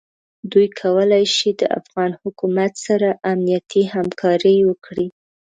دوی کولای شي د افغان حکومت سره امنیتي همکاري وکړي.